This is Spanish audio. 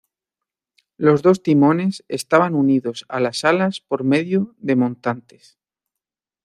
Los dos timones estaban unidos a las alas por medio de montantes.